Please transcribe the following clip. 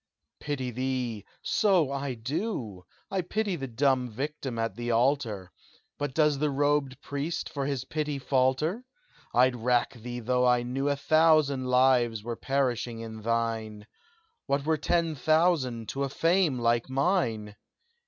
"'Pity' thee! So I do! I pity the dumb victim at the altar But does the robed priest for his pity falter? I'd rack thee though I knew A thousand lives were perishing in thine What were ten thousand to a fame like mine?